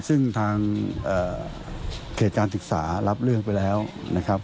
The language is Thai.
ซึ่งทางเขตการศึกษารับเรื่องไปแล้วนะครับ